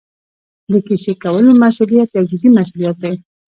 د کیسې کولو مسوولیت یو جدي مسوولیت دی.